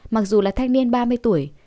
mặc dù là thanh niên ba mươi tuổi